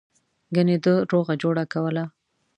گني ده روغه جوړه کوله.